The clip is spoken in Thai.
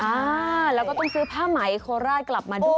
อ่าแล้วก็ต้องซื้อผ้าไหมโคราชกลับมาด้วย